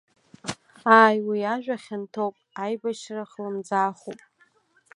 Ааи уи ажәа хьанҭоуп, аибашьра хлым-ӡаахуп.